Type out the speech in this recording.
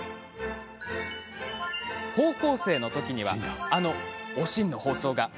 高校生のときにはあの「おしん」の放送が。